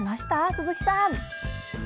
鈴木さん。